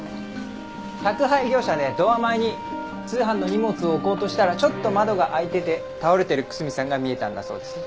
宅配業者でドア前に通販の荷物を置こうとしたらちょっと窓が開いてて倒れている楠見さんが見えたんだそうです。